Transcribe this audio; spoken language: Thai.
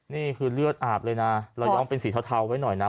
นี่คือเลือดอาบเลยนะเราย้อมเป็นสีเทาไว้หน่อยนะ